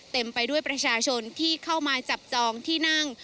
เต็มไปด้วยประชาชนที่เข้ามาจับจองที่นั่ง